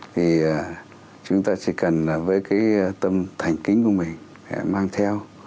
thì chúng ta chỉ cần là với cái tâm thành kính của mình để mang theo